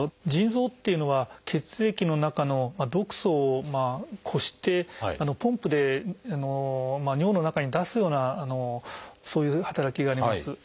腎臓っていうのは血液の中の毒素をこしてポンプで尿の中に出すようなそういう働きがあります。